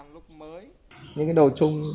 lúc mà khan lúc mới